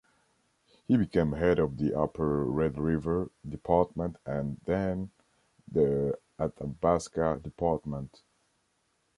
He became head of the Upper Red River department and, then, the Athabasca department.